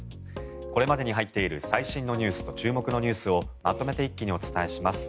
これまでに入っている最新ニュースと注目ニュースをまとめて一気にお伝えします。